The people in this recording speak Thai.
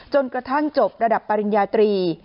จนกระทั่งจบระดับปริญญาตรี